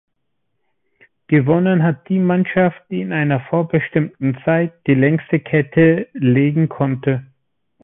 Gewonnen hat die Mannschaft, die in einer vorbestimmten Zeit, die längste Kette legen konnte.